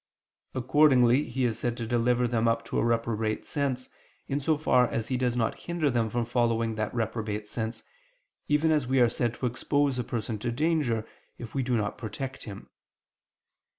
Accordingly He is said to deliver them up to a reprobate sense, in so far as He does not hinder them from following that reprobate sense, even as we are said to expose a person to danger if we do not protect him.